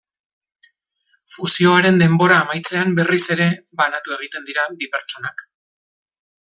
Fusioaren denbora amaitzean berriz ere banatu egiten dira bi pertsonak.